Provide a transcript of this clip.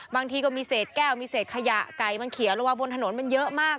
บางทีก็มีเศษแก้วมีเศษขยะไก่มันเขียนลงมาบนถนนมันเยอะมาก